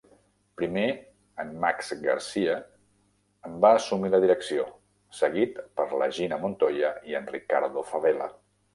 Primer, en Max Garcia en va assumir la direcció, seguit per la Gina Montoya i en Ricardo Favela.